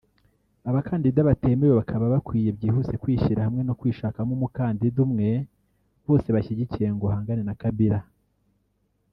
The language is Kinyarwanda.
abakandida batemewe bakaba bakwiye byihuse kwishyira hamwe no kwishakamo umukandida umwe bose bashyigikiye ngo ahangane na Kabila